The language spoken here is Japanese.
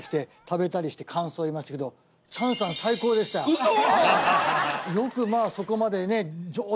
ウソ！